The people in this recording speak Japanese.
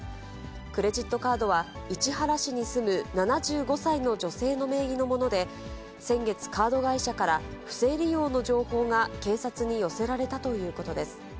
クレジットカードは市原市に住む７５歳の女性の名義のもので、先月、カード会社から不正利用の情報が警察に寄せられたということです。